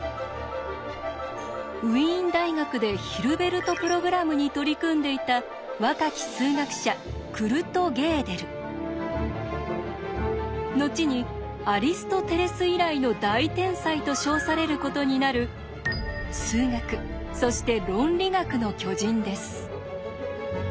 ウィーン大学でヒルベルト・プログラムに取り組んでいた若き数学者のちにアリストテレス以来の大天才と称されることになる数学そして論理学の巨人です。